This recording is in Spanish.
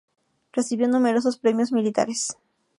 Recibió numerosos premios militares.